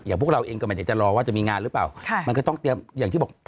พวกเราเองก็ไม่ได้จะรอว่าจะมีงานหรือเปล่ามันก็ต้องเตรียมอย่างที่บอก